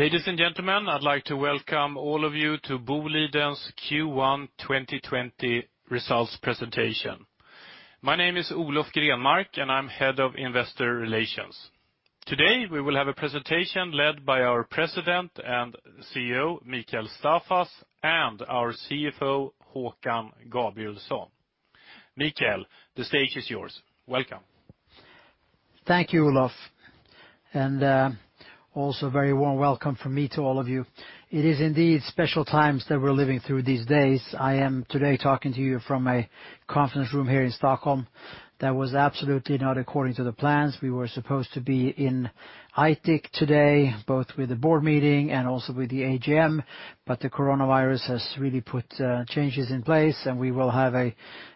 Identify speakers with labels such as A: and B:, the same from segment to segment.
A: Ladies and gentlemen, I'd like to welcome all of you to Boliden's Q1 2020 results presentation. My name is Olof Grenmark, and I'm Head of Investor Relations. Today, we will have a presentation led by our President and CEO, Mikael Staffas, and our CFO, Håkan Gabrielsson. Mikael, the stage is yours. Welcome.
B: Thank you, Olof. Also very warm welcome from me to all of you. It is indeed special times that we're living through these days. I am today talking to you from a conference room here in Stockholm that was absolutely not according to the plans. We were supposed to be in Aitik today, both with the board meeting and also with the AGM, the coronavirus has really put changes in place, we will have,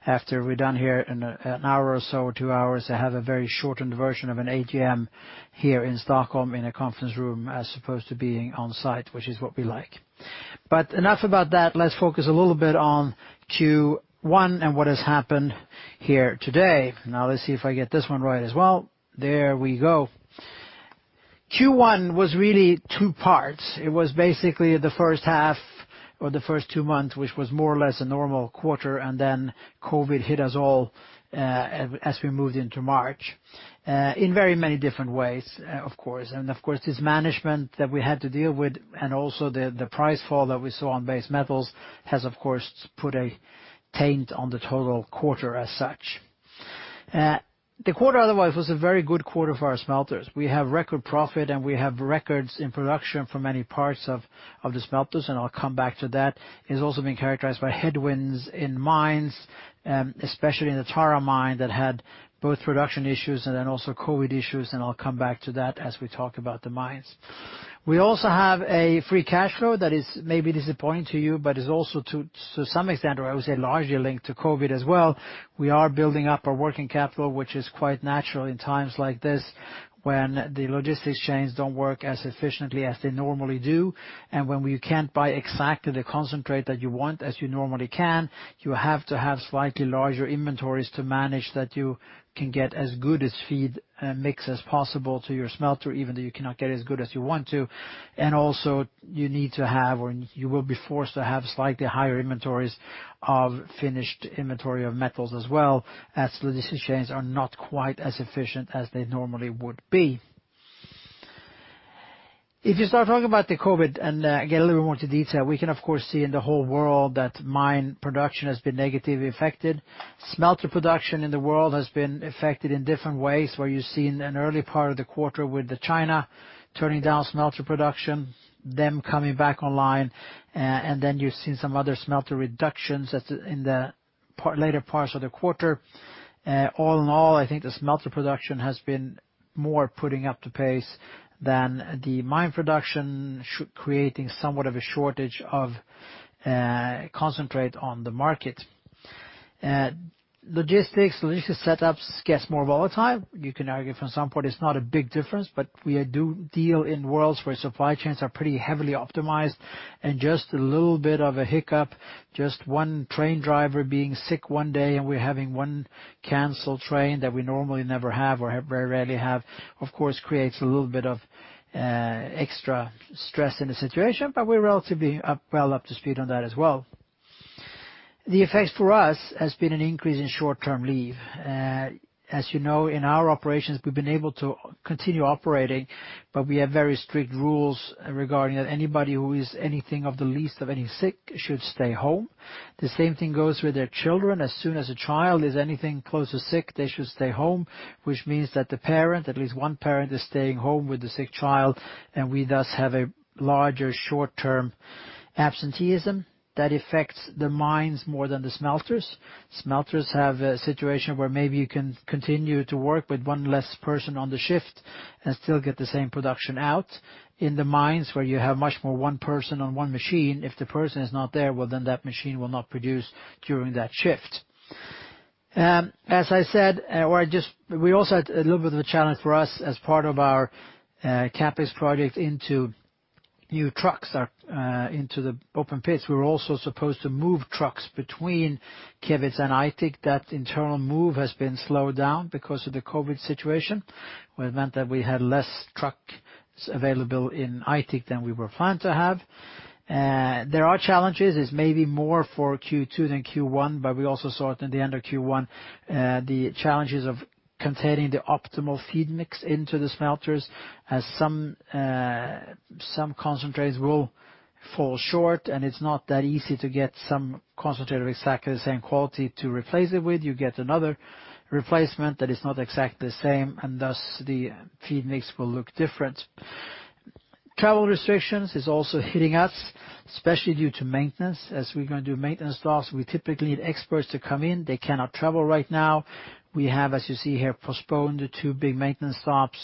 B: after we're done here in an hour or so, two hours, have a very shortened version of an AGM here in Stockholm in a conference room as opposed to being on-site, which is what we like. Enough about that. Let's focus a little bit on Q1 and what has happened here today. Now let's see if I get this one right as well. There we go. Q1 was really two parts. It was basically the first half or the first two months, which was more or less a normal quarter, and then COVID hit us all as we moved into March, in very many different ways, of course. Of course, this management that we had to deal with, and also the price fall that we saw on base metals has, of course, put a taint on the total quarter as such. The quarter otherwise was a very good quarter for our smelters. We have record profit, and we have records in production for many parts of the smelters, and I'll come back to that. It's also been characterized by headwinds in mines, especially in the Tara mine that had both production issues and then also COVID issues, and I'll come back to that as we talk about the mines. We also have a free cash flow that is maybe disappointing to you, but is also to some extent, or I would say largely linked to COVID as well. We are building up our working capital, which is quite natural in times like this when the logistics chains don't work as efficiently as they normally do, and when you can't buy exactly the concentrate that you want as you normally can, you have to have slightly larger inventories to manage that you can get as good as feed mix as possible to your smelter, even though you cannot get as good as you want to. Also you need to have, or you will be forced to have slightly higher inventories of finished inventory of metals as well, as logistics chains are not quite as efficient as they normally would be. If you start talking about the COVID and get a little bit more into detail, we can of course see in the whole world that mine production has been negatively affected. Smelter production in the world has been affected in different ways, where you're seeing an early part of the quarter with China turning down smelter production, them coming back online, and then you're seeing some other smelter reductions in the later parts of the quarter. All in all, I think the smelter production has been more putting up to pace than the mine production, creating somewhat of a shortage of concentrate on the market. Logistics setups gets more volatile. You can argue from some point it's not a big difference, we do deal in worlds where supply chains are pretty heavily optimized and just a little bit of a hiccup, just one train driver being sick one day and we're having one canceled train that we normally never have or very rarely have, of course creates a little bit of extra stress in the situation, we're relatively well up to speed on that as well. The effects for us has been an increase in short-term leave. As you know, in our operations, we've been able to continue operating, we have very strict rules regarding that anybody who is anything of the least of any sick should stay home. The same thing goes with their children. As soon as a child is anything close to sick, they should stay home, which means that the parent, at least one parent, is staying home with the sick child, and we thus have a larger short-term absenteeism that affects the mines more than the smelters. Smelters have a situation where maybe you can continue to work with one less person on the shift and still get the same production out. In the mines, where you have much more one person on one machine, if the person is not there, well then that machine will not produce during that shift. As I said, we also had a little bit of a challenge for us as part of our CapEx project into new trucks into the open pits. We were also supposed to move trucks between Kevitsa and Aitik. That internal move has been slowed down because of the COVID situation. We've meant that we had less trucks available in Aitik than we were planned to have. There are challenges, it's maybe more for Q2 than Q1, but we also saw it in the end of Q1, the challenges of containing the optimal feed mix into the smelters, as some concentrates will fall short, and it's not that easy to get some concentrate of exactly the same quality to replace it with. You get another replacement that is not exactly the same, and thus the feed mix will look different. Travel restrictions is also hitting us, especially due to maintenance. As we're going to do maintenance stops, we typically need experts to come in. They cannot travel right now. We have, as you see here, postponed the two big maintenance stops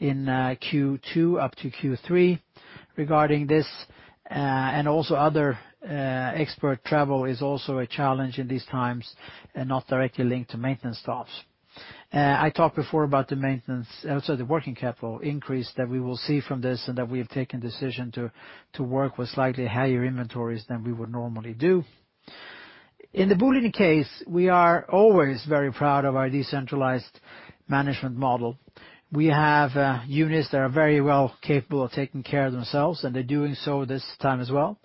B: in Q2 up to Q3 regarding this, and also other expert travel is also a challenge in these times and not directly linked to maintenance stops. I talked before about the maintenance, sorry, the working capital increase that we will see from this and that we have taken decision to work with slightly higher inventories than we would normally do. In the Boliden case, we are always very proud of our decentralized management model. We have units that are very well capable of taking care of themselves, and they're doing so this time as well.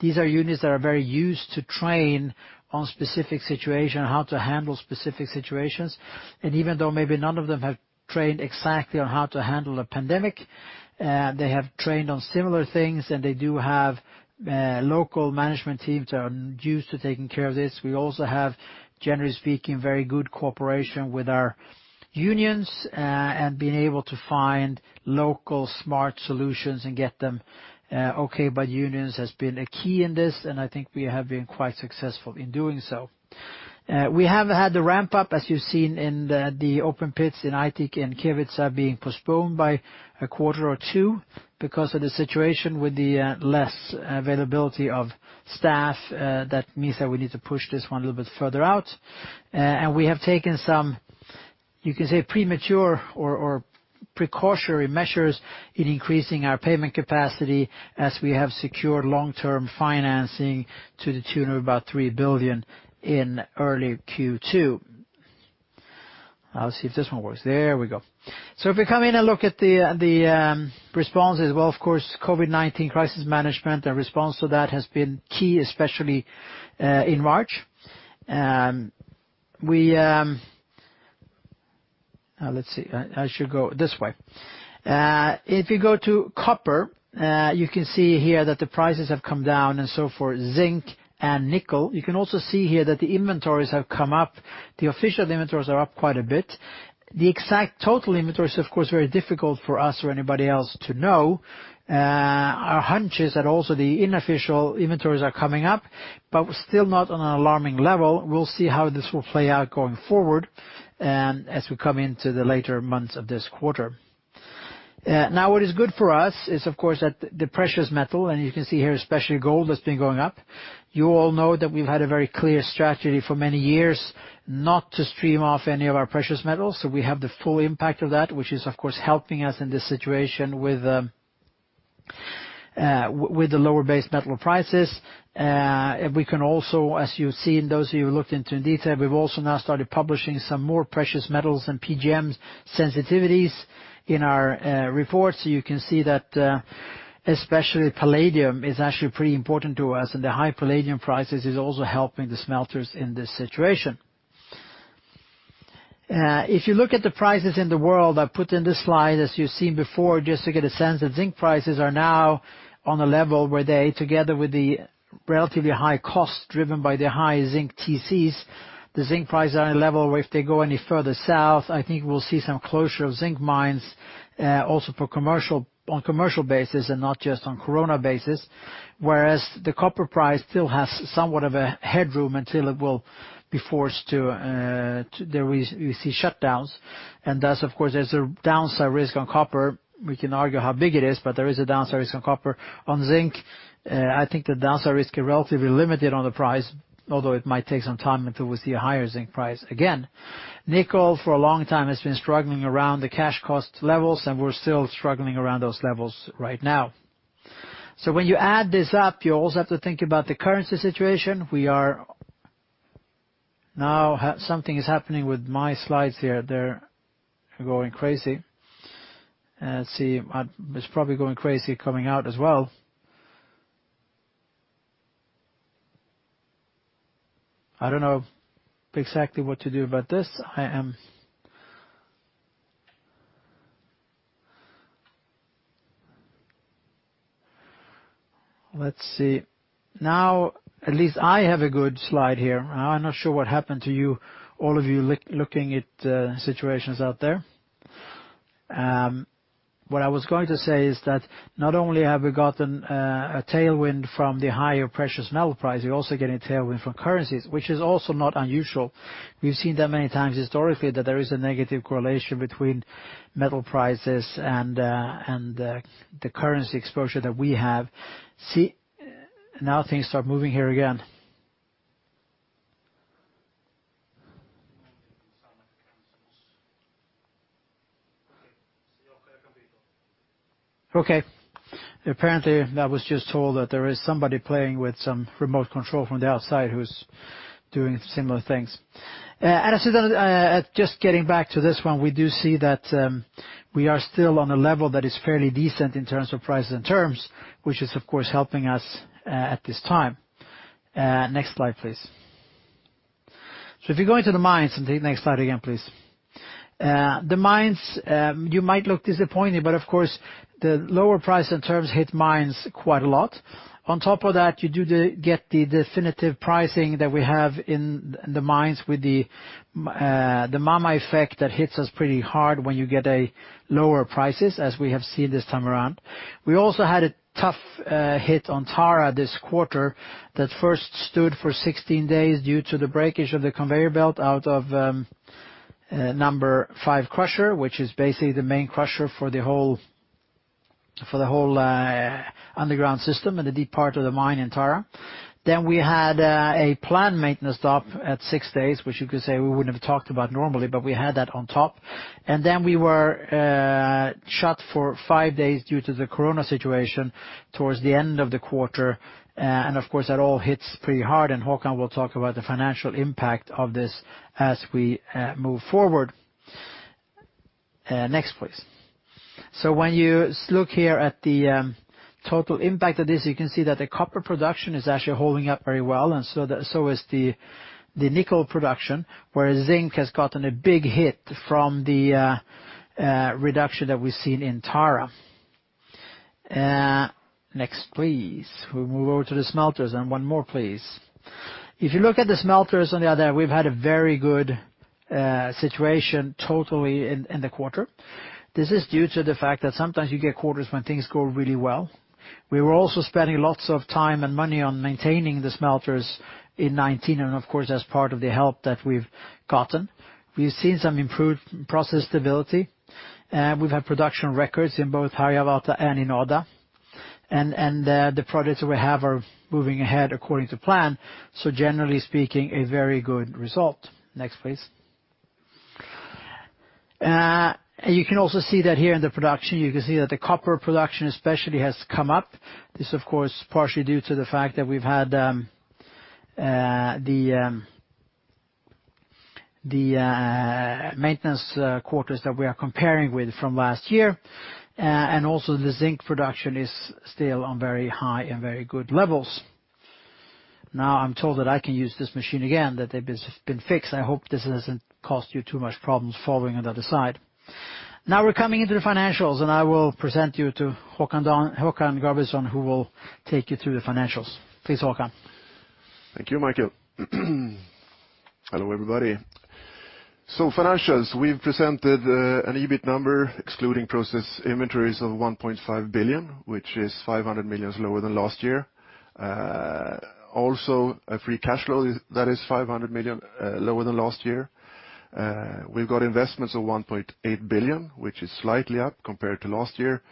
B: These are units that are very used to train on specific situation, how to handle specific situations. Even though maybe none of them have trained exactly on how to handle a pandemic, they have trained on similar things, and they do have local management teams that are used to taking care of this. We also have, generally speaking, very good cooperation with our unions, and being able to find local smart solutions and get them okay by the unions has been a key in this, and I think we have been quite successful in doing so. We have had the ramp-up, as you've seen in the open pits in Aitik and Kevitsa being postponed by a quarter or two because of the situation with the less availability of staff. That means that we need to push this one a little bit further out. We have taken some, you can say, premature or precautionary measures in increasing our payment capacity as we have secured long-term financing to the tune of about 3 billion in early Q2. I'll see if this one works. There we go. If we come in and look at the responses, well, of course, COVID-19 crisis management and response to that has been key, especially in March. Let's see. I should go this way. If you go to copper, you can see here that the prices have come down, and so for zinc and nickel. You can also see here that the inventories have come up. The official inventories are up quite a bit. The exact total inventory is, of course, very difficult for us or anybody else to know. Our hunches are also the unofficial inventories are coming up, but still not on an alarming level. We'll see how this will play out going forward, as we come into the later months of this quarter. What is good for us is, of course, that the precious metal, and you can see here, especially gold, has been going up. You all know that we've had a very clear strategy for many years not to stream off any of our precious metals. We have the full impact of that, which is, of course, helping us in this situation with the lower base metal prices. We can also, as you've seen, those of you who looked into in detail, we've also now started publishing some more precious metals and PGMs sensitivities in our reports. You can see that especially palladium is actually pretty important to us, and the high palladium prices is also helping the smelters in this situation. If you look at the prices in the world, I've put in this slide, as you've seen before, just to get a sense that zinc prices are now on a level where they, together with the relatively high cost driven by the high zinc TCs, the zinc prices are on a level where if they go any further south, I think we'll see some closure of zinc mines, also on commercial basis and not just on COVID basis, whereas the copper price still has somewhat of a headroom until it will be forced to where we see shutdowns. Thus, of course, there's a downside risk on copper. We can argue how big it is, there is a downside risk on copper. On zinc, I think the downside risks are relatively limited on the price, although it might take some time until we see a higher zinc price again. Nickel, for a long time, has been struggling around the cash cost levels, and we're still struggling around those levels right now. When you add this up, you also have to think about the currency situation. Now something is happening with my slides here. They're going crazy. Let's see. It's probably going crazy coming out as well. I don't know exactly what to do about this. Let's see. Now, at least I have a good slide here. I'm not sure what happened to you, all of you looking at situations out there. What I was going to say is that not only have we gotten a tailwind from the higher precious metal price, we're also getting a tailwind from currencies, which is also not unusual. We've seen that many times historically that there is a negative correlation between metal prices and the currency exposure that we have. See, now things start moving here again. Okay. Apparently, I was just told that there is somebody playing with some remote control from the outside who's doing similar things. Just getting back to this one, we do see that we are still on a level that is fairly decent in terms of prices and terms, which is, of course, helping us at this time. Next slide, please. If you go into the mines, next slide again, please. The mines, you might look disappointed, but of course, the lower price in terms hit mines quite a lot. On top of that, you do get the definitive pricing that we have in the mines with the M2M effect that hits us pretty hard when you get a lower prices, as we have seen this time around. We also had a tough hit on Tara this quarter that first stood for 16 days due to the breakage of the conveyor belt out of number five crusher, which is basically the main crusher for the whole underground system in the deep part of the mine in Tara. We had a planned maintenance stop at six days, which you could say we wouldn't have talked about normally, but we had that on top. We were shut for five days due to the corona situation towards the end of the quarter. Of course, that all hits pretty hard, and Håkan will talk about the financial impact of this as we move forward. Next, please. When you look here at the total impact of this, you can see that the copper production is actually holding up very well, and so is the nickel production, whereas zinc has gotten a big hit from the reduction that we've seen in Tara. Next, please. We move over to the smelters, and one more, please. If you look at the smelters on the other, we've had a very good situation totally in the quarter. This is due to the fact that sometimes you get quarters when things go really well. We were also spending lots of time and money on maintaining the smelters in 2019, and of course, as part of the help that we've gotten. We've seen some improved process stability. We've had production records in both Harjavalta and in Odda. The projects we have are moving ahead according to plan, so generally speaking, a very good result. Next, please. You can also see that here in the production, you can see that the copper production especially has come up. This, of course, partially due to the fact that we've had the maintenance quarters that we are comparing with from last year. Also the zinc production is still on very high and very good levels. Now I'm told that I can use this machine again, that it has been fixed. I hope this hasn't caused you too much problems following on the other side. Now we're coming into the financials, and I will present you to Håkan Gabrielsson, who will take you through the financials. Please, Håkan.
C: Thank you, Mikael. Hello, everybody. Financials, we've presented an EBIT number excluding process inventories of 1.5 billion, which is 500 million lower than last year. A free cash flow that is 500 million lower than last year. We've got investments of 1.8 billion, which is slightly up compared to last year,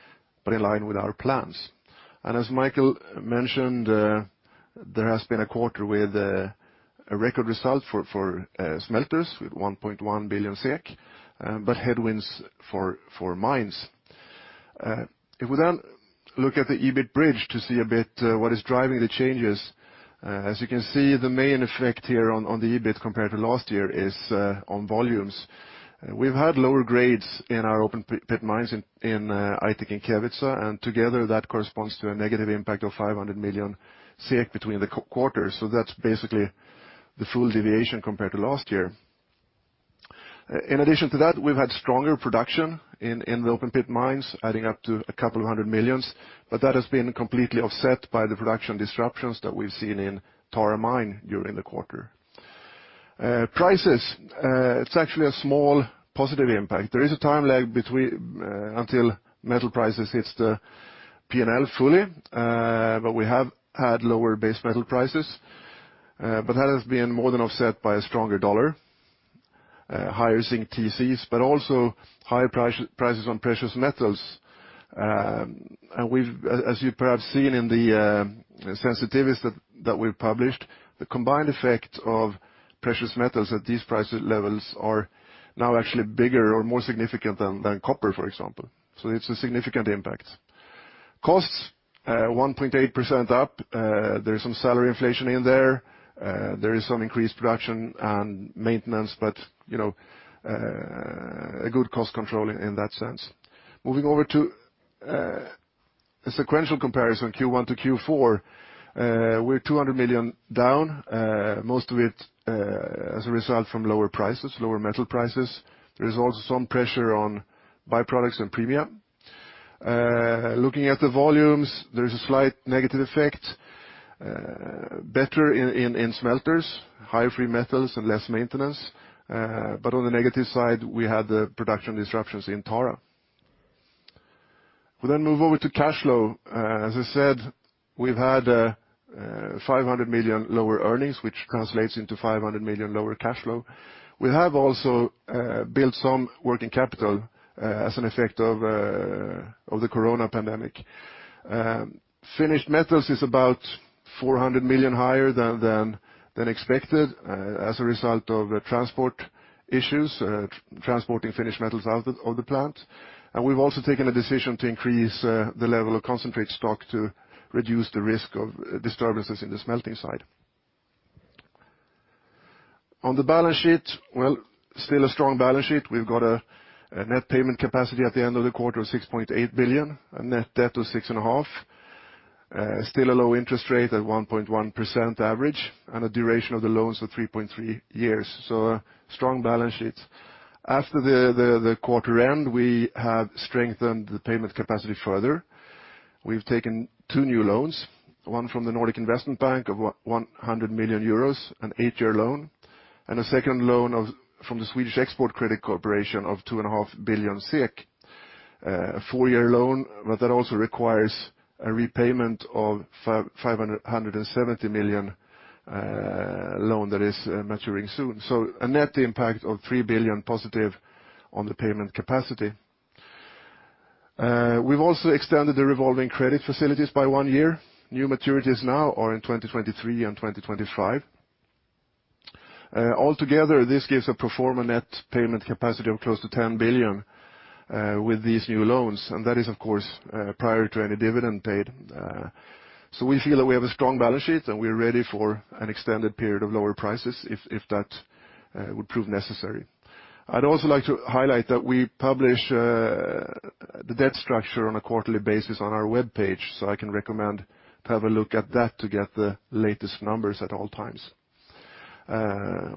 C: but in line with our plans. As Mikael mentioned, there has been a quarter with a record result for smelters with 1.1 billion SEK, but headwinds for mines. If we then look at the EBIT bridge to see a bit what is driving the changes. As you can see, the main effect here on the EBIT compared to last year is on volumes. We've had lower grades in our open pit mines in Aitik and Kevitsa, and together that corresponds to a negative impact of 500 million SEK between the quarters. That's basically the full deviation compared to last year. In addition to that, we've had stronger production in the open pit mines, adding up to a couple of hundred million, but that has been completely offset by the production disruptions that we've seen in Tara mine during the quarter. Prices, it's actually a small positive impact. There is a time lag until metal prices hits the P&L fully, but we have had lower base metal prices. That has been more than offset by a stronger U.S. dollar, higher zinc TCs, but also higher prices on precious metals. As you've perhaps seen in the sensitivities that we've published, the combined effect of precious metals at these price levels are now actually bigger or more significant than copper, for example. It's a significant impact. Costs, 1.8% up. There's some salary inflation in there. There is some increased production and maintenance, but a good cost control in that sense. Moving over to a sequential comparison, Q1 to Q4, we're 200 million down, most of it as a result from lower prices, lower metal prices. There is also some pressure on byproducts and premium. Looking at the volumes, there is a slight negative effect, better in smelters, higher free metals and less maintenance. On the negative side, we had the production disruptions in Tara. We move over to cash flow. As I said, we've had 500 million lower earnings, which translates into 500 million lower cash flow. We have also built some working capital as an effect of the COVID-19 pandemic. Finished metals is about 400 million higher than expected as a result of transport issues, transporting finished metals out of the plant. We've also taken a decision to increase the level of concentrate stock to reduce the risk of disturbances in the smelting side. On the balance sheet, well, still a strong balance sheet. We've got a net payment capacity at the end of the quarter of 6.8 billion, a net debt of 6.5 billion. Still a low interest rate at 1.1% average, and a duration of the loans of 3.3 years. A strong balance sheet. After the quarter end, we have strengthened the payment capacity further. We've taken two new loans, one from the Nordic Investment Bank of 100 million euros, an eight-year loan, and a second loan from the Swedish Export Credit Corporation of 2.5 billion SEK, a four-year loan, but that also requires a repayment of 570 million loan that is maturing soon. A net impact of 3+ billion on the payment capacity. We've also extended the revolving credit facilities by one year. New maturities now are in 2023 and 2025. Altogether, this gives a pro forma net payment capacity of close to 10 billion with these new loans, and that is of course prior to any dividend paid. We feel that we have a strong balance sheet, and we're ready for an extended period of lower prices if that would prove necessary. I'd also like to highlight that we publish the debt structure on a quarterly basis on our webpage, so I can recommend to have a look at that to get the latest numbers at all times.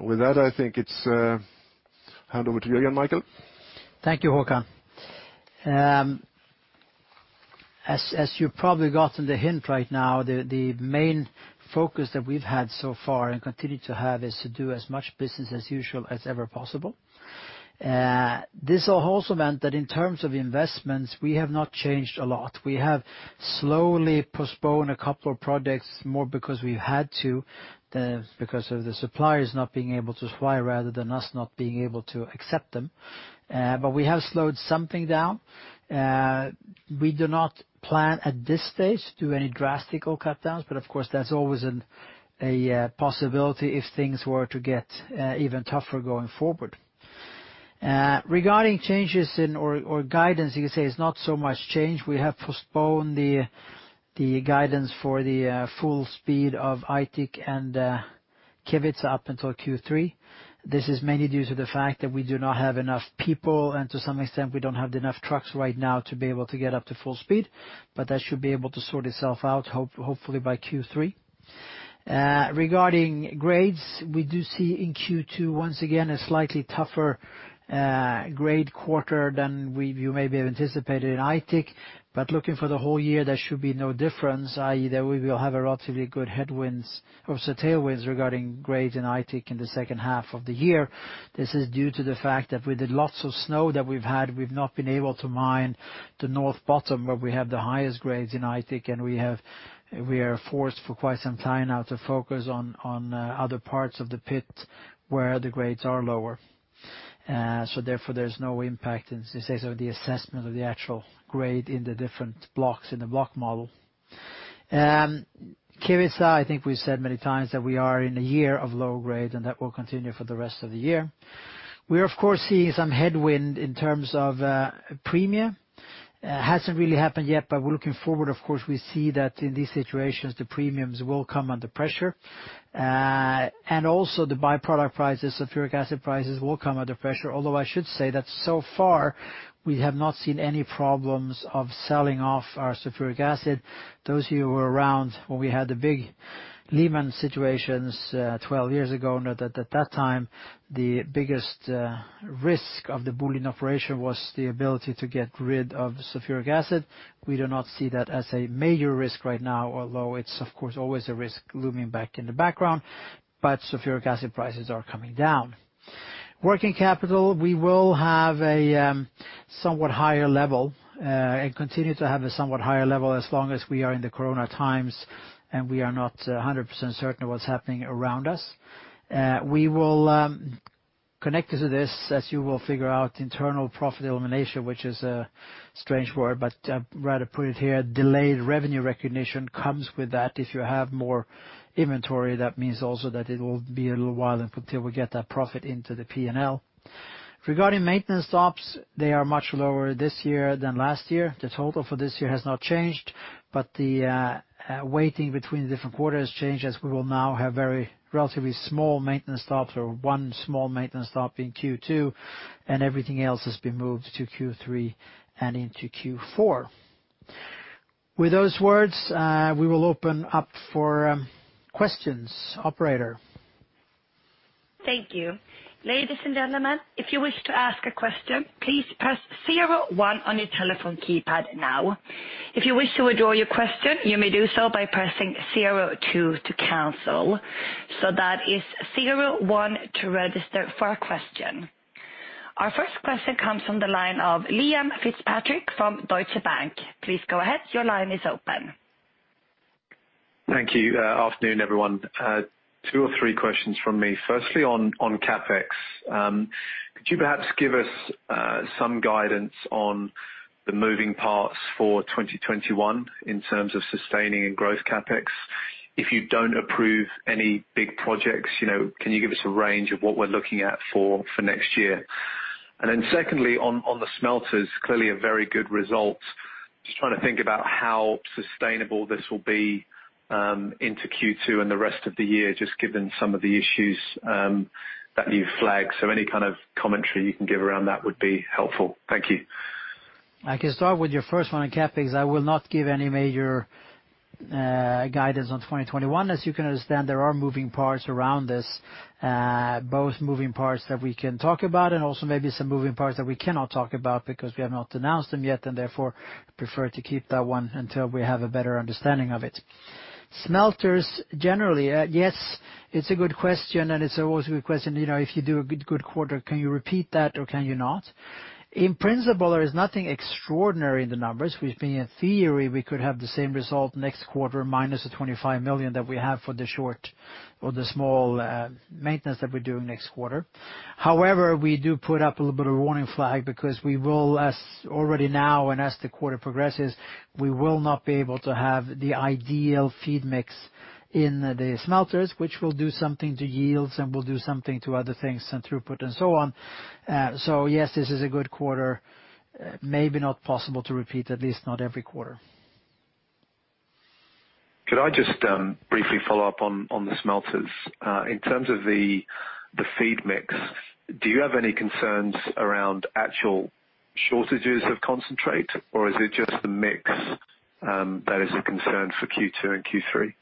C: With that, I think it's hand over to you again, Mikael.
B: Thank you, Håkan. As you probably gotten the hint right now, the main focus that we've had so far and continue to have is to do as much business as usual as ever possible. This will also meant that in terms of investments, we have not changed a lot. We have slowly postponed a couple of projects, more because we've had to because of the suppliers not being able to supply, rather than us not being able to accept them. We have slowed something down. We do not plan at this stage to do any drastic cutdowns, but of course, that's always a possibility if things were to get even tougher going forward. Regarding changes or guidance, you could say it's not so much change. We have postponed the guidance for the full speed of Aitik and Kevitsa up until Q3. This is mainly due to the fact that we do not have enough people, and to some extent, we don't have enough trucks right now to be able to get up to full speed, but that should be able to sort itself out, hopefully by Q3. Regarding grades, we do see in Q2, once again, a slightly tougher grade quarter than you maybe have anticipated in Aitik, but looking for the whole year, there should be no difference, i.e., that we will have a relatively good headwinds or tailwinds regarding grades in Aitik in the second half of the year. This is due to the fact that with the lots of snow that we've had, we've not been able to mine the north bottom where we have the highest grades in Aitik, and we are forced for quite some time now to focus on other parts of the pit where the grades are lower. Therefore, there's no impact, as you say, so the assessment of the actual grade in the different blocks in the block model. Kevitsa, I think we've said many times that we are in a year of low grade, and that will continue for the rest of the year. We are, of course, seeing some headwind in terms of premia. Hasn't really happened yet, but we're looking forward, of course, we see that in these situations, the premiums will come under pressure. Also the by-product prices, sulfuric acid prices, will come under pressure. I should say that so far, we have not seen any problems of selling off our sulfuric acid. Those of you who were around when we had the big Lehman Brothers 12 years ago, know that at that time, the biggest risk of the Boliden was the ability to get rid of sulfuric acid. We do not see that as a major risk right now, although it's of course always a risk looming back in the background, but sulfuric acid prices are coming down. Working capital, we will have a somewhat higher level, and continue to have a somewhat higher level as long as we are in the COVID times and we are not 100% certain of what's happening around us. We will, connected to this, as you will figure out, internal profit elimination, which is a strange word, but I'd rather put it here. Delayed revenue recognition comes with that. If you have more inventory, that means also that it will be a little while until we get that profit into the P&L. Regarding maintenance stops, they are much lower this year than last year. The total for this year has not changed, but the weighting between the different quarters changed as we will now have very relatively small maintenance stops or one small maintenance stop in Q2, and everything else has been moved to Q3 and into Q4. With those words, we will open up for questions. Operator.
D: Thank you. Ladies and gentlemen, if you wish to ask a question, please press zero one on your telephone keypad now. If you wish to withdraw your question, you may do so by pressing zero two to cancel. That is zero one to register for a question. Our first question comes from the line of Liam Fitzpatrick from Deutsche Bank. Please go ahead. Your line is open.
E: Thank you. Afternoon, everyone. Two or three questions from me. Firstly, on CapEx. Could you perhaps give us some guidance on the moving parts for 2021 in terms of sustaining and growth CapEx? If you don't approve any big projects, can you give us a range of what we're looking at for next year? Secondly, on the smelters, clearly a very good result. Just trying to think about how sustainable this will be into Q2 and the rest of the year, just given some of the issues that you've flagged. Any kind of commentary you can give around that would be helpful. Thank you.
B: I can start with your first one on CapEx. I will not give any major guidance on 2021. As you can understand, there are moving parts around this, both moving parts that we can talk about and also maybe some moving parts that we cannot talk about because we have not announced them yet, and therefore prefer to keep that one until we have a better understanding of it. Smelters, generally, yes, it's a good question, and it's always a good question. If you do a good quarter, can you repeat that or can you not? In principle, there is nothing extraordinary in the numbers. Which mean in theory, we could have the same result next quarter, minus the 25 million that we have for the short or the small maintenance that we're doing next quarter. However, we do put up a little bit of a warning flag because we will as already now and as the quarter progresses, we will not be able to have the ideal feed mix in the smelters, which will do something to yields and will do something to other things and throughput and so on. Yes, this is a good quarter. Maybe not possible to repeat, at least not every quarter.
E: Could I just briefly follow up on the smelters? In terms of the feed mix, do you have any concerns around actual shortages of concentrate, or is it just the mix that is a concern for Q2 and Q3?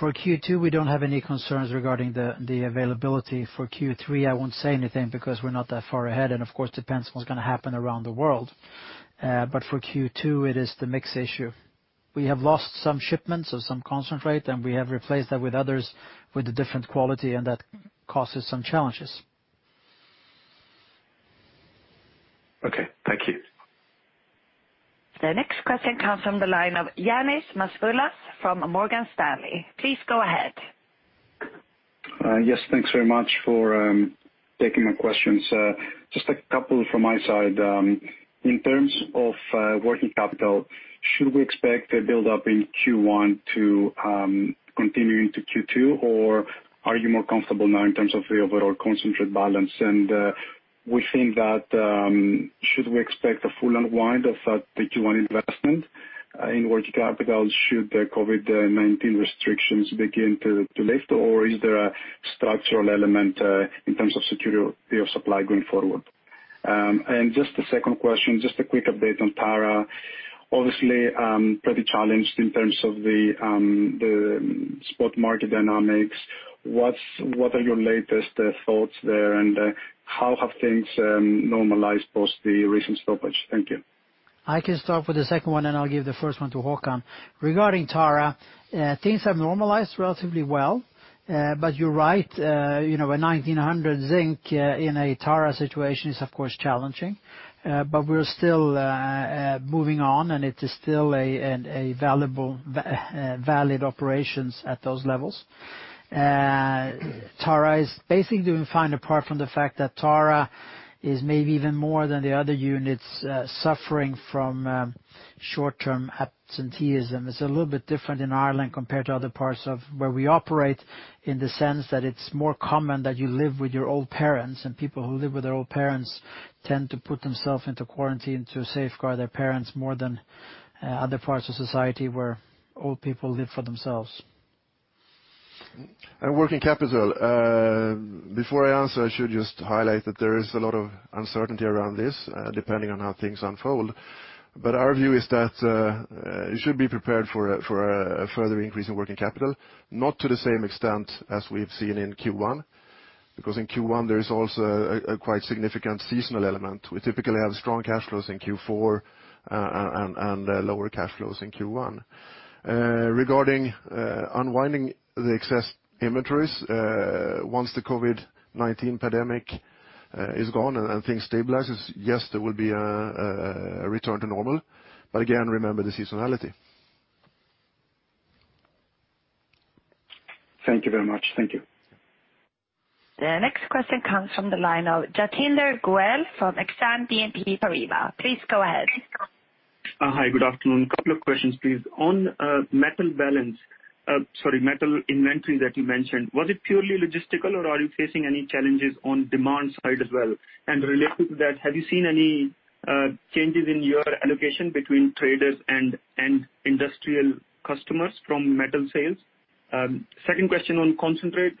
B: For Q2, we don't have any concerns regarding the availability. For Q3, I won't say anything because we're not that far ahead, and of course, it depends what's going to happen around the world. For Q2 it is the mix issue. We have lost some shipments of some concentrate, and we have replaced that with others with a different quality, and that causes some challenges.
E: Okay, thank you.
D: The next question comes from the line of Ioannis Masvoulas from Morgan Stanley. Please go ahead.
F: Yes. Thanks very much for taking my questions. Just a couple from my side. In terms of working capital, should we expect a build-up in Q1 to continue into Q2, or are you more comfortable now in terms of the overall concentrate balance? We think that, should we expect a full unwind of that Q1 investment in working capital should the COVID-19 restrictions begin to lift, or is there a structural element in terms of security of supply going forward? Just a second question, just a quick update on Tara. Obviously, pretty challenged in terms of the spot market dynamics. What are your latest thoughts there, and how have things normalized post the recent stoppage? Thank you.
B: I can start with the second one, and I'll give the first one to Håkan. Regarding Tara, things have normalized relatively well. You're right, a 1,900 zinc in a Tara situation is, of course, challenging. We're still moving on, and it is still a valid operations at those levels. Tara is basically doing fine, apart from the fact that Tara is maybe even more than the other units suffering from short-term absenteeism. It's a little bit different in Ireland compared to other parts of where we operate, in the sense that it's more common that you live with your old parents, and people who live with their old parents tend to put themselves into quarantine to safeguard their parents more than other parts of society where old people live for themselves.
C: Working capital. Before I answer, I should just highlight that there is a lot of uncertainty around this, depending on how things unfold. Our view is that you should be prepared for a further increase in working capital, not to the same extent as we've seen in Q1, because in Q1 there is also a quite significant seasonal element. We typically have strong cash flows in Q4 and lower cash flows in Q1. Regarding unwinding the excess inventories, once the COVID-19 pandemic is gone and things stabilizes, yes, there will be a return to normal. Again, remember the seasonality.
F: Thank you very much. Thank you.
D: The next question comes from the line of Jatinder Goel from Exane BNP Paribas. Please go ahead.
G: Hi, good afternoon. Couple of questions, please. On metal balance, sorry, metal inventory that you mentioned, was it purely logistical, or are you facing any challenges on demand side as well? Related to that, have you seen any changes in your allocation between traders and industrial customers from metal sales? Second question on concentrate,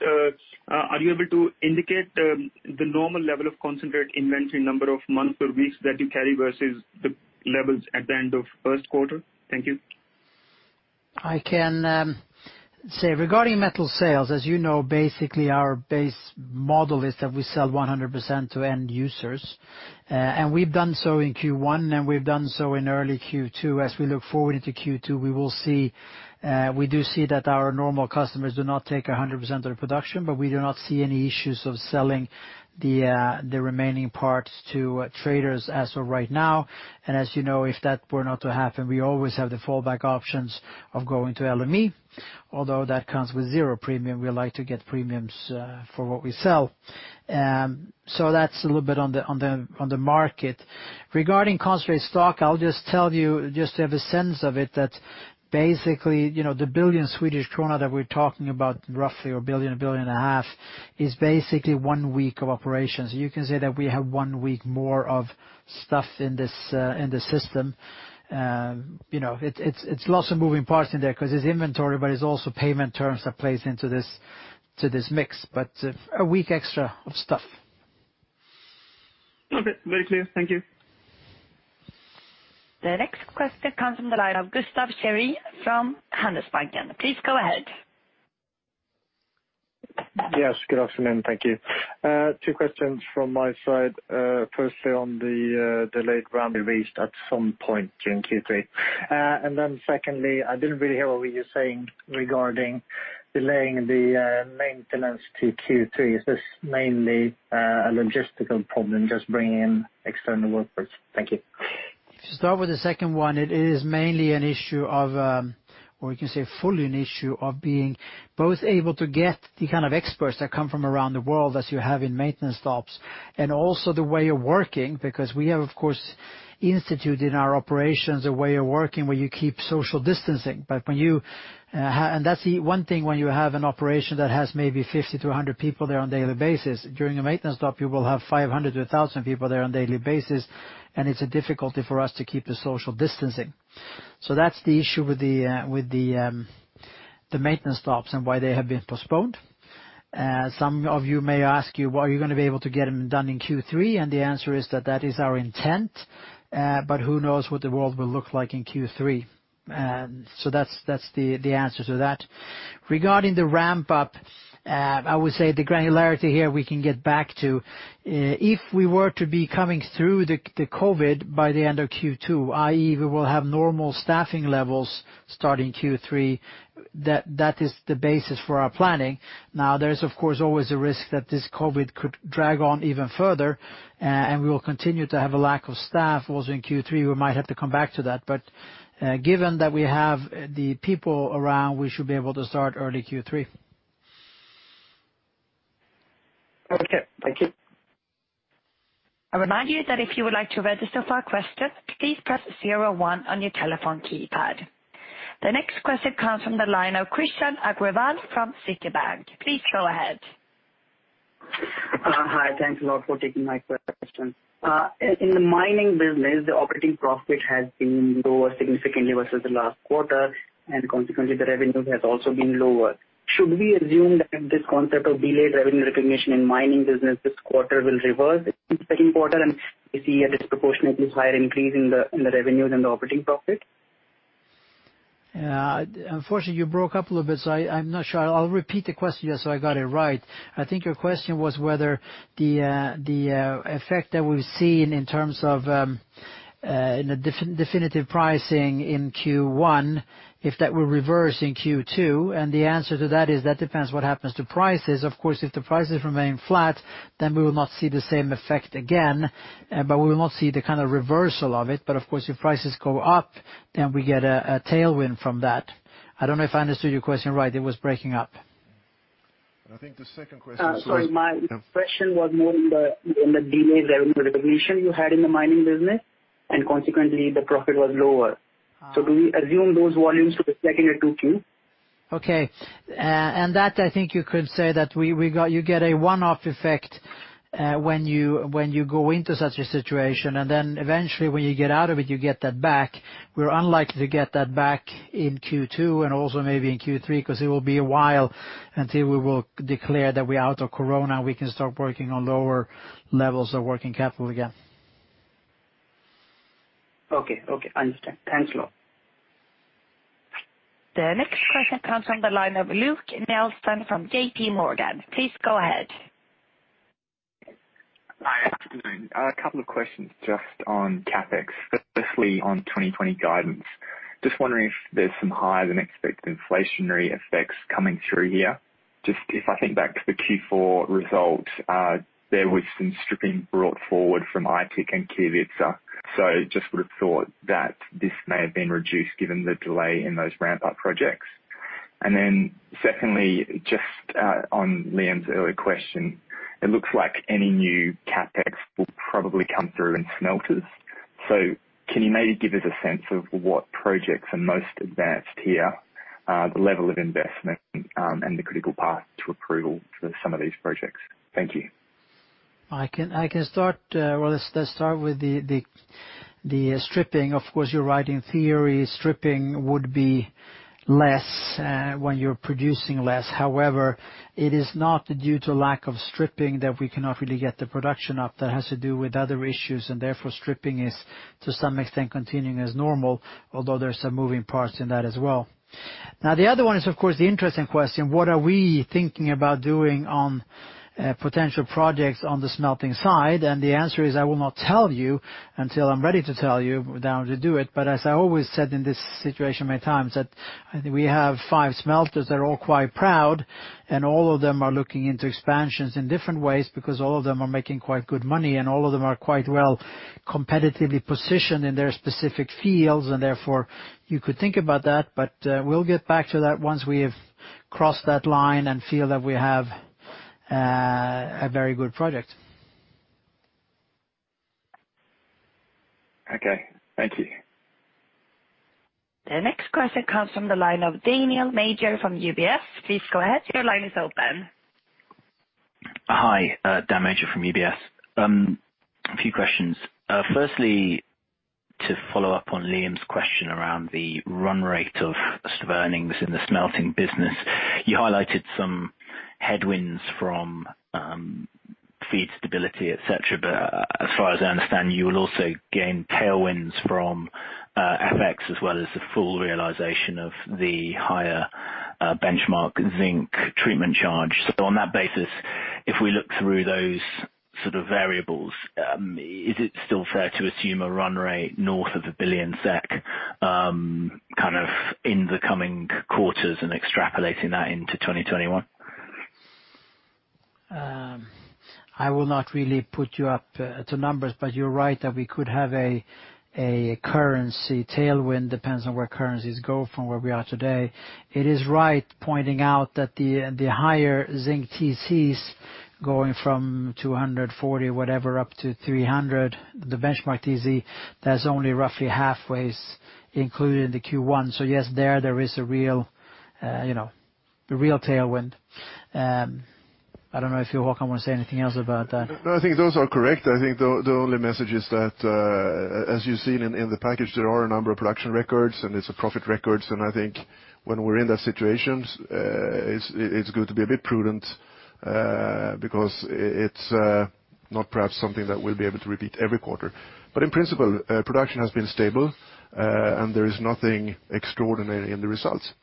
G: are you able to indicate the normal level of concentrate inventory number of months or weeks that you carry versus the levels at the end of first quarter? Thank you.
B: I can say regarding metal sales, as you know, basically our base model is that we sell 100% to end users, and we've done so in Q1, and we've done so in early Q2. As we look forward into Q2, we do see that our normal customers do not take 100% of their production, but we do not see any issues of selling the remaining parts to traders as of right now. As you know, if that were not to happen, we always have the fallback options of going to LME. Although that comes with zero premium, we like to get premiums for what we sell. That's a little bit on the market. Regarding concentrate stock, I'll just tell you, just to have a sense of it, that basically, the 1 billion Swedish krona that we're talking about roughly, or 1 billion, 1.5 billion, is basically one week of operations. You can say that we have one week more of stuff in the system. It's lots of moving parts in there because it's inventory, but it's also payment terms that plays into this mix, but a week extra of stuff.
G: Okay. Very clear. Thank you.
D: The next question comes from the line of Gustaf Schwerin from Handelsbanken. Please go ahead.
H: Yes, good afternoon. Thank you. Two questions from my side. Firstly on the delayed ramp being reached at some point during Q3? Secondly, I didn't really hear what were you saying regarding delaying the maintenance to Q3. Is this mainly a logistical problem, just bringing in external workers? Thank you.
B: To start with the second one, it is mainly an issue of, or you can say fully an issue of being both able to get the kind of experts that come from around the world as you have in maintenance stops, and also the way of working, because we have, of course, instituted in our operations a way of working where you keep social distancing. That's the one thing when you have an operation that has maybe 50-100 people there on a daily basis. During a maintenance stop you will have 500-1,000 people there on a daily basis, and it's a difficulty for us to keep the social distancing. That's the issue with the maintenance stops and why they have been postponed. Some of you may ask, are you going to be able to get them done in Q3? The answer is that is our intent. Who knows what the world will look like in Q3. That's the answer to that. Regarding the ramp-up, I would say the granularity here we can get back to. If we were to be coming through the COVID by the end of Q2, i.e., we will have normal staffing levels starting Q3, that is the basis for our planning. Now, there is, of course, always a risk that this COVID could drag on even further, and we will continue to have a lack of staff also in Q3. We might have to come back to that. Given that we have the people around, we should be able to start early Q3.
H: Okay, thank you.
D: I remind you that if you would like to register for a question, please press zero one on your telephone keypad. The next question comes from the line of Krishan Agarwal from Citibank. Please go ahead.
I: Hi. Thanks a lot for taking my question. In the mining business, the operating profit has been lower significantly versus the last quarter. Consequently, the revenue has also been lower. Should we assume that this concept of delayed revenue recognition in mining business this quarter will reverse in second quarter, and we see a disproportionately higher increase in the revenue than the operating profit?
B: Unfortunately, you broke up a little bit, so I'm not sure. I'll repeat the question just so I got it right. I think your question was whether the effect that we've seen in terms of definitive pricing in Q1, if that will reverse in Q2. The answer to that is, that depends what happens to prices. Of course, if the prices remain flat, then we will not see the same effect again. We will not see the kind of reversal of it. Of course, if prices go up, then we get a tailwind from that. I don't know if I understood your question right. It was breaking up.
C: I think the second question was.
I: Sorry, my question was more on the delayed revenue recognition you had in the mining business, and consequently, the profit was lower. Do we assume those volumes to be second or 2Q?
B: Okay. That I think you could say that you get a one-off effect when you go into such a situation, and then eventually when you get out of it, you get that back. We're unlikely to get that back in Q2 and also maybe in Q3 because it will be a while until we will declare that we're out of COVID, we can start working on lower levels of working capital again.
I: Okay. Understood. Thanks a lot.
D: The next question comes from the line of Luke Nelson from JPMorgan. Please go ahead.
J: Hi. Good afternoon. A couple of questions just on CapEx, firstly on 2020 guidance. Just wondering if there's some higher than expected inflationary effects coming through here. Just if I think back to the Q4 results, there was some stripping brought forward from Aitik and Kevitsa. Just would have thought that this may have been reduced given the delay in those ramp-up projects. Secondly, just on Liam's earlier question, it looks like any new CapEx will probably come through in smelters. Can you maybe give us a sense of what projects are most advanced here, the level of investment, and the critical path to approval for some of these projects? Thank you.
B: I can start. Well, let's start with the stripping. Of course, you're right. In theory, stripping would be less when you're producing less. However, it is not due to lack of stripping that we cannot really get the production up. That has to do with other issues, and therefore stripping is to some extent continuing as normal, although there are some moving parts in that as well. Now, the other one is, of course, the interesting question, what are we thinking about doing on potential projects on the smelting side? The answer is, I will not tell you until I'm ready to tell you when I'm to do it. As I always said in this situation many times, that we have five smelters that are all quite proud, and all of them are looking into expansions in different ways because all of them are making quite good money, and all of them are quite well competitively positioned in their specific fields, and therefore you could think about that, but we'll get back to that once we have crossed that line and feel that we have a very good project.
J: Okay. Thank you.
D: The next question comes from the line of Daniel Major from UBS. Please go ahead. Your line is open.
K: Hi. Daniel Major from UBS. A few questions. Firstly, to follow up on Liam's question around the run rate of earnings in the smelting business. You highlighted some headwinds from feed stability, et cetera. As far as I understand, you will also gain tailwinds from FX as well as the full realization of the higher benchmark zinc Treatment Charge. On that basis, if we look through those sort of variables, is it still fair to assume a run rate north of 1 billion SEK kind of in the coming quarters and extrapolating that into 2021?
B: I will not really put you up to numbers, but you're right that we could have a currency tailwind, depends on where currencies go from where we are today. It is right pointing out that the higher zinc TCs going from 240 whatever up to 300, the benchmark TC, that's only roughly halfway included in the Q1. Yes, there is a real tailwind. I don't know if you, Håkan, want to say anything else about that.
C: No, I think those are correct. I think the only message is that, as you've seen in the package, there are a number of production records and it's profit records. I think when we're in that situation, it's good to be a bit prudent, because it's not perhaps something that we'll be able to repeat every quarter. In principle, production has been stable, and there is nothing extraordinary in the results.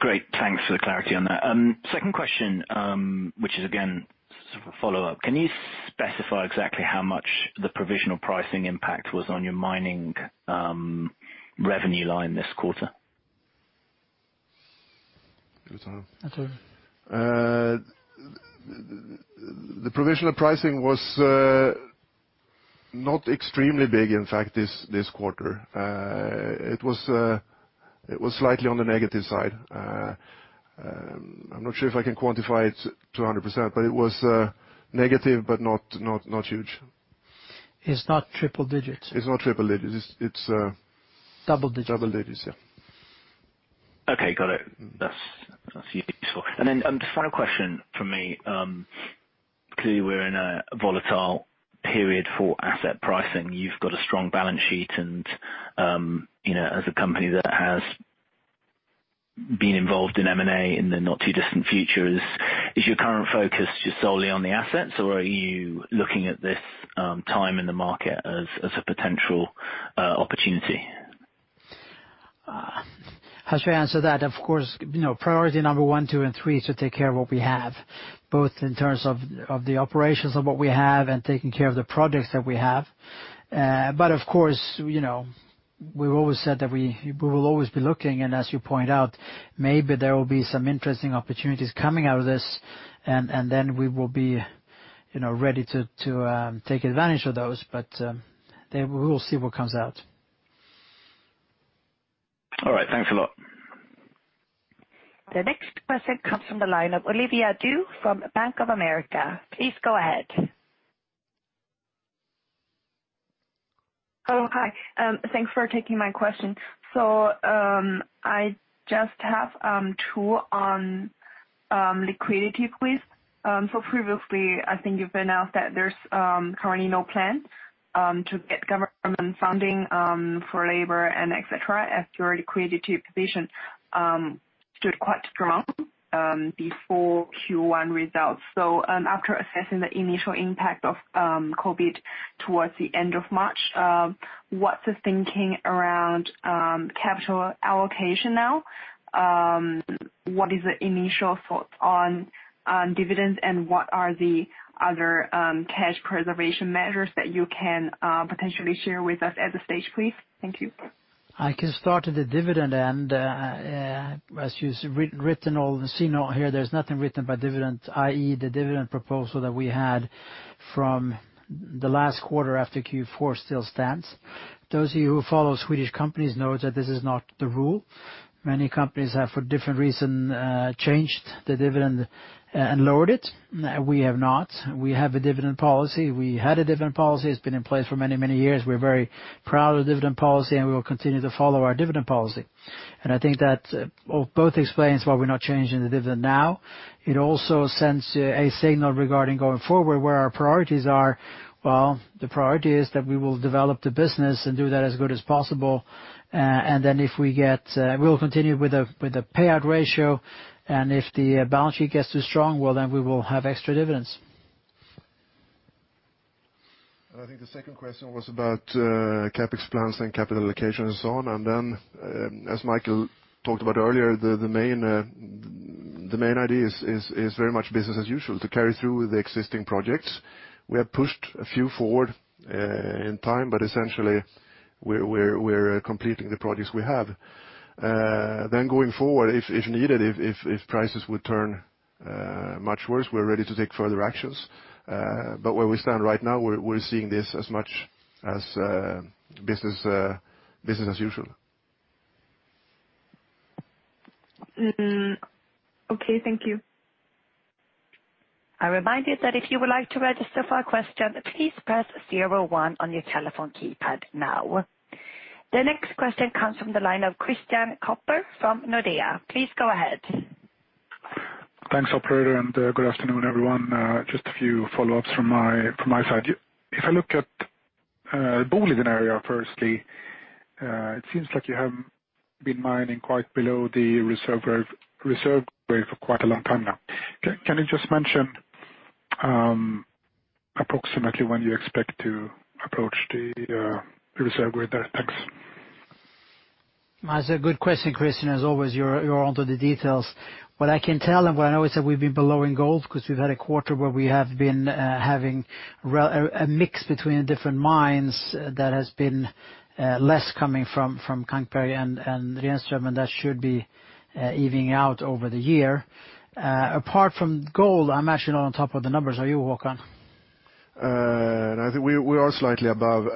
K: Great. Thanks for the clarity on that. Second question, which is again, sort of a follow-up. Can you specify exactly how much the provisional pricing impact was on your mining revenue line this quarter?
C: Do you want to?
B: Okay.
C: The provisional pricing was not extremely big, in fact, this quarter. It was slightly on the negative side. I am not sure if I can quantify it to 100%, but it was negative, but not huge.
B: It's not triple digits.
C: It's not triple digits.
B: Double digits.
C: double digits, yeah.
K: Okay, got it. That's useful. Just final question from me. Clearly, we're in a volatile period for asset pricing. You've got a strong balance sheet, and as a company that has been involved in M&A in the not-too-distant future, is your current focus just solely on the assets, or are you looking at this time in the market as a potential opportunity?
B: How should I answer that? Priority number one, two, and three is to take care of what we have, both in terms of the operations of what we have and taking care of the projects that we have. We've always said that we will always be looking and, as you point out, maybe there will be some interesting opportunities coming out of this, and then we will be ready to take advantage of those. We will see what comes out.
K: All right. Thanks a lot.
D: The next question comes from the line of Olivia Du from Bank of America. Please go ahead.
L: Hello. Hi. Thanks for taking my question. I just have two on liquidity, please. Previously, I think you've announced that there's currently no plan to get government funding for labor and et cetera, as your liquidity position stood quite strong before Q1 results. After assessing the initial impact of COVID towards the end of March, what's the thinking around capital allocation now? What is the initial thoughts on dividends, and what are the other cash preservation measures that you can potentially share with us at this stage, please? Thank you.
B: I can start at the dividend end. As you see note here, there's nothing written by dividend, i.e., the dividend proposal that we had from the last quarter after Q4 still stands. Those of you who follow Swedish companies know that this is not the rule. Many companies have, for different reason, changed the dividend and lowered it. We have not. We have a dividend policy. We had a dividend policy. It's been in place for many, many years. We're very proud of the dividend policy, and we will continue to follow our dividend policy. I think that both explains why we're not changing the dividend now. It also sends a signal regarding going forward, where our priorities are. Well, the priority is that we will develop the business and do that as good as possible. We will continue with the payout ratio, and if the balance sheet gets too strong, well, then we will have extra dividends.
C: I think the second question was about CapEx plans and capital allocation and so on. As Mikael talked about earlier, the main idea is very much business as usual, to carry through the existing projects. We have pushed a few forward in time, but essentially, we're completing the projects we have. Going forward, if needed, if prices would turn much worse, we're ready to take further actions. Where we stand right now, we're seeing this as much as business as usual.
L: Okay, thank you.
D: I remind you that if you would like to register for a question, please press zero one on your telephone keypad now. The next question comes from the line of Christian Kopfer from Nordea. Please go ahead.
M: Thanks, operator, and good afternoon, everyone. Just a few follow-ups from my side. If I look at Boliden area, firstly, it seems like you have been mining quite below the reserve grade for quite a long time now. Can you just mention approximately when you expect to approach the reserve grade there? Thanks.
B: That's a good question, Christian. As always, you're onto the details. What I can tell and what I know is that we've been below in gold because we've had a quarter where we have been having a mix between the different mines that has been less coming from Kankberg and Renström, and that should be evening out over the year. Apart from gold, I'm actually not on top of the numbers. Are you, Håkan?
C: I think we are slightly above,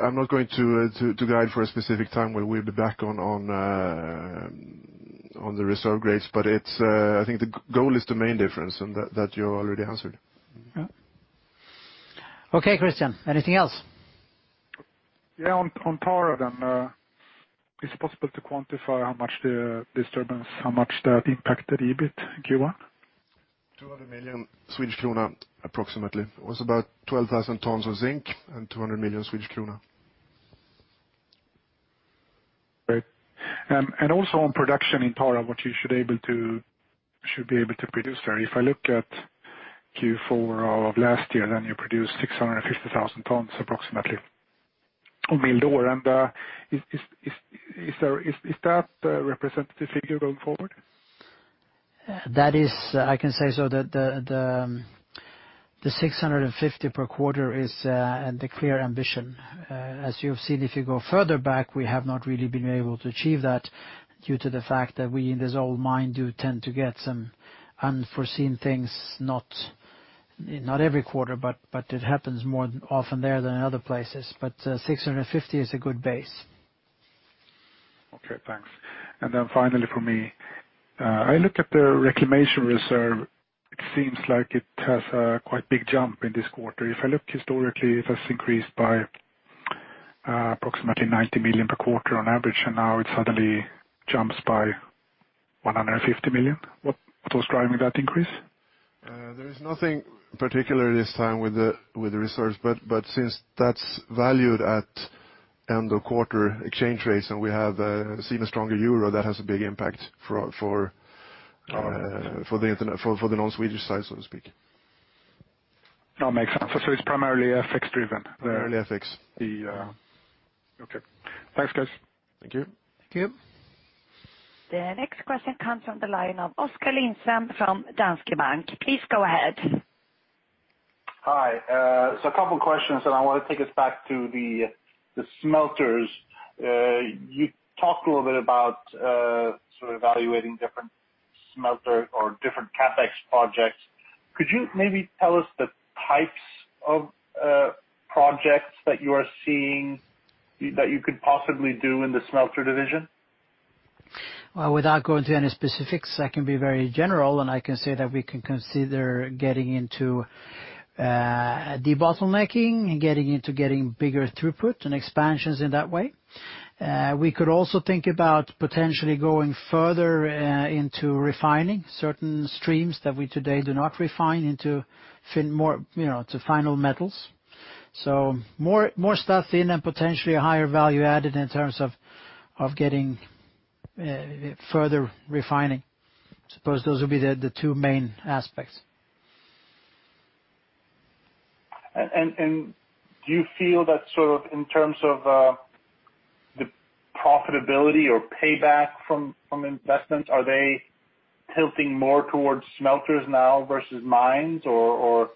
C: I'm not going to guide for a specific time where we'll be back on the reserve grades. I think the gold is the main difference, and that you already answered.
B: Yeah. Okay, Christian. Anything else?
M: Yeah, on Tara then, is it possible to quantify how much the disturbance, how much that impacted EBIT in Q1?
C: 200 million, approximately. It was about 12,000 tonnes of zinc and 200 million Swedish krona.
M: Great. Also on production in Tara, what you should be able to produce there. If I look at Q4 of last year, then you produced 650,000 tons approximately. Is that a representative figure going forward?
B: That is, I can say so, the 650 per quarter is the clear ambition. As you've seen, if you go further back, we have not really been able to achieve that due to the fact that we, in this old mine, do tend to get some unforeseen things, not every quarter, but it happens more often there than in other places. 650 is a good base.
M: Okay, thanks. Finally from me, I looked at the reclamation reserve. It seems like it has a quite big jump in this quarter. If I look historically, it has increased by approximately 90 million per quarter on average, and now it suddenly jumps by 150 million. What's driving that increase?
C: There is nothing particular this time with the reserves, but since that's valued at end of quarter exchange rates, and we have seen a stronger euro, that has a big impact.
M: Oh
C: for the non-Swedish side, so to speak.
M: No, makes sense. It's primarily FX driven?
C: Primarily FX.
M: Okay. Thanks, guys.
C: Thank you.
B: Thank you.
D: The next question comes from the line of Oskar Lindström from Danske Bank. Please go ahead.
N: Hi. A couple questions, and I want to take us back to the smelters. You talked a little bit about sort of evaluating different smelter or different CapEx projects. Could you maybe tell us the types of projects that you are seeing that you could possibly do in the smelter division?
B: Well, without going to any specifics, I can be very general, and I can say that we can consider getting into debottlenecking and getting into getting bigger throughput and expansions in that way. We could also think about potentially going further into refining certain streams that we today do not refine into final metals. More stuff in and potentially a higher value added in terms of getting further refining. Suppose those will be the two main aspects.
N: Do you feel that sort of in terms of the profitability or payback from investments, are they tilting more towards smelters now versus mines?
B: No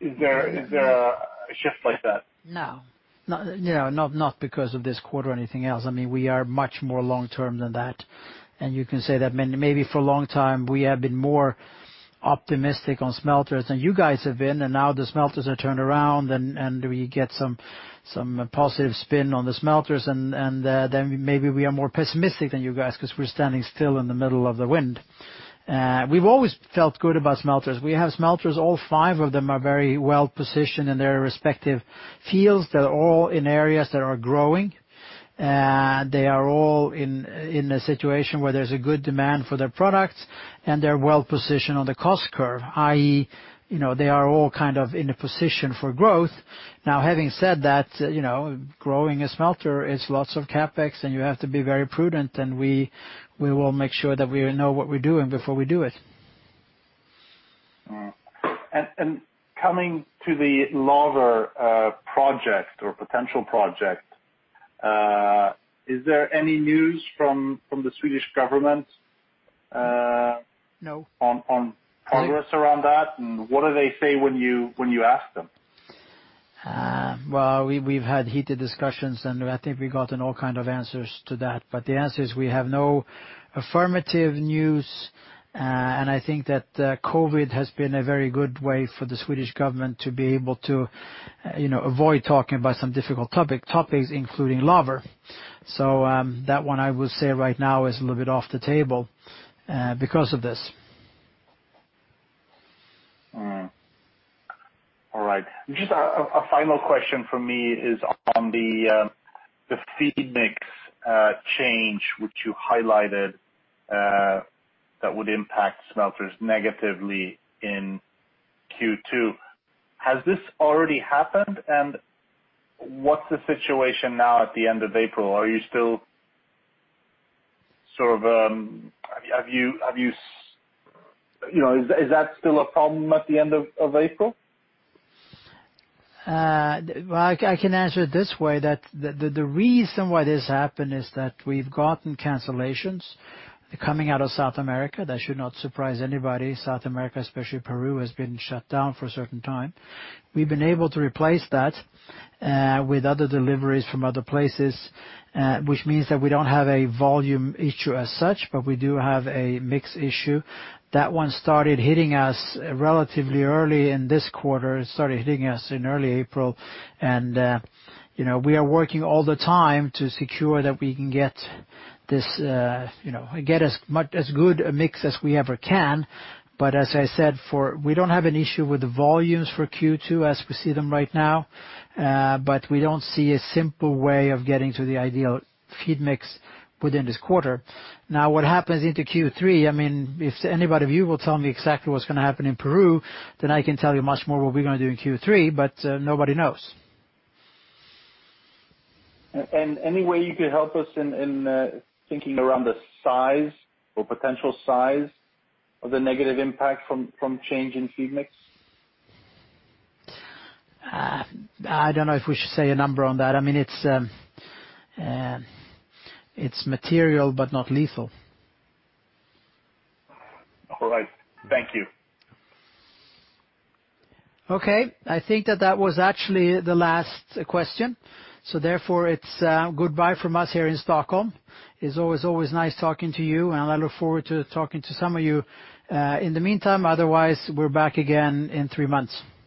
N: Is there a shift like that?
B: No. Not because of this quarter or anything else. We are much more long-term than that. You can say that maybe for a long time we have been more optimistic on smelters than you guys have been, and now the smelters are turned around, and we get some positive spin on the smelters and then maybe we are more pessimistic than you guys because we're standing still in the middle of the wind. We've always felt good about smelters. We have smelters, all five of them are very well-positioned in their respective fields. They're all in areas that are growing. They are all in a situation where there's a good demand for their products, and they're well-positioned on the cost curve, i.e. they are all kind of in a position for growth. Having said that, growing a smelter is lots of CapEx and you have to be very prudent and we will make sure that we know what we're doing before we do it.
N: Coming to the Laver project or potential project, is there any news from the Swedish government?
B: No
N: on progress around that? What do they say when you ask them?
B: We've had heated discussions, and I think we've gotten all kind of answers to that. The answer is we have no affirmative news, and I think that COVID has been a very good way for the Swedish government to be able to avoid talking about some difficult topics, including Laver. That one I will say right now is a little bit off the table because of this.
N: All right. Just a final question from me is on the feed mix change which you highlighted that would impact smelters negatively in Q2. Has this already happened? What's the situation now at the end of April? Is that still a problem at the end of April?
B: Well, I can answer it this way, that the reason why this happened is that we've gotten cancellations coming out of South America. That should not surprise anybody. South America, especially Peru, has been shut down for a certain time. We've been able to replace that with other deliveries from other places, which means that we don't have a volume issue as such, but we do have a mix issue. That one started hitting us relatively early in this quarter. It started hitting us in early April, and we are working all the time to secure that we can get as good a mix as we ever can. As I said, we don't have an issue with the volumes for Q2 as we see them right now. We don't see a simple way of getting to the ideal feed mix within this quarter. Now what happens into Q3, if any of you will tell me exactly what's going to happen in Peru, then I can tell you much more what we're going to do in Q3, but nobody knows.
N: Any way you could help us in thinking around the size or potential size of the negative impact from change in feed mix?
B: I don't know if we should say a number on that. It's material but not lethal.
N: All right. Thank you.
B: Okay, I think that that was actually the last question. Therefore it's goodbye from us here in Stockholm. It's always nice talking to you, and I look forward to talking to some of you in the meantime. Otherwise, we're back again in three months. Bye.